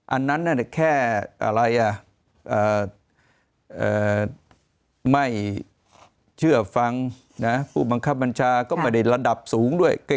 อันนั้นแค่ไม่เชื่อฟังผู้บังคับบัญชาก็ไม่ได้ระดับสูงด้วย